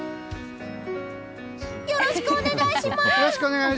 よろしくお願いします！